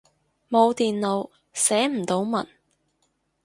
冇電腦，寫唔到文